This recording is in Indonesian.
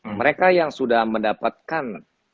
mereka yang sudah mendapatkan